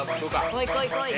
こいこいこい。